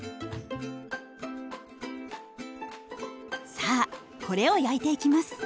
さあこれを焼いていきます。